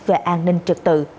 về an ninh trực tự